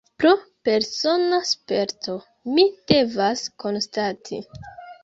Pro persona sperto, mi devas konstati.